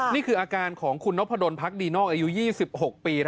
นี่คืออาการของคุณนพดลพักดีนอกอายุ๒๖ปี